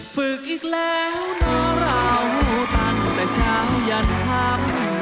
ฝึกอีกแล้วนะเราตั้งแต่เช้ายันทำ